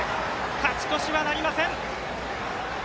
勝ち越しはなりません。